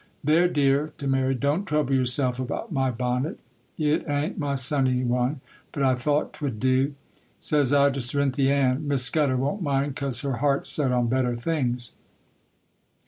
There, dear,' (to Mary,) 'don't trouble yourself about my bonnet; it a'n't my Sunday one, but I thought 'twould do. Says I to Cerinthy Ann, "Miss Scudder won't mind, 'cause her heart's set on better things."